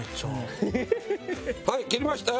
はい切りましたよ。